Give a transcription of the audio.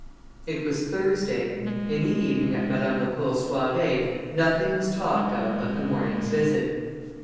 It was Thursday: in the evening at Madame Lacour's soirée, nothing was talked of but the morning's visit.